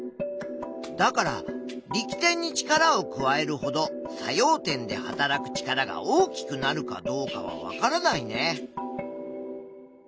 だから力点に力を加えるほど作用点ではたらく力が大きくなるかどうかはわからないね。